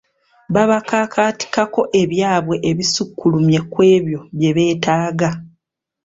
Babakakaatikako ebyabwe ebisukkulumye ku ebyo bye beetaaga.